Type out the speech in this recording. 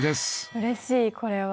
うれしいこれは。